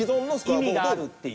意味があるっていうね